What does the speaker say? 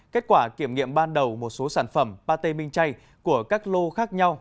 kết quả kiểm nghiệm ban đầu một số sản phẩm pate minh chay của các lô khác nhau